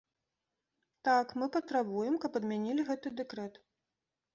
Так, мы патрабуем, каб адмянілі гэты дэкрэт.